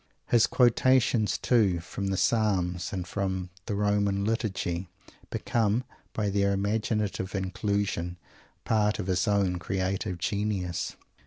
His quotations, too, from the Psalms, and from the Roman Liturgy, become, by their imaginative inclusion, part of his own creative genius.